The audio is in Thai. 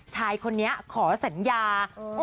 ชายคนนี้ขอสัญญา